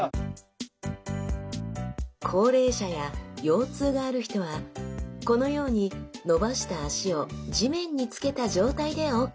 高齢者や腰痛がある人はこのように伸ばした脚を地面につけた状態でＯＫ。